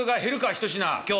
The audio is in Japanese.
一品今日。